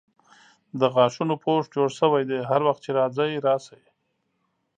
د غاښونو پوښ جوړ سوی دی هر وخت چې راځئ راسئ.